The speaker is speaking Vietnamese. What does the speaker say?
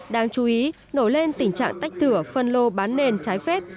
đáng chú ý nổi lên tình trạng tách thửa phân lô bán nền trái phép